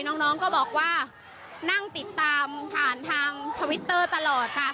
น้องก็บอกว่านั่งติดตามผ่านทางทวิตเตอร์ตลอดค่ะ